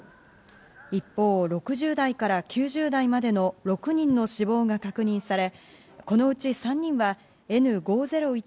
一方、６０代から９０代までの６人の死亡が確認されこのうち３人はＮ５０１